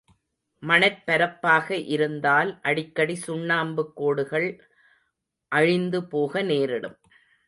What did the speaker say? மணற்பரப்பாக இருந்தால், அடிக்கடி சுண்ணாம்புக் கோடுகள் அழிந்து போக நேரிடும்.